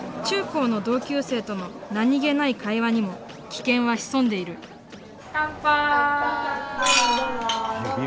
中高の同級生との何気ない会話にも危険は潜んでいる乾杯！